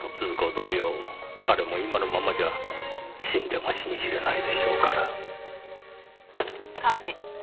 同様彼も今のままじゃ死んでも死にきれないでしょうから。